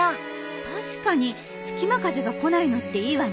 確かに隙間風が来ないのっていいわね。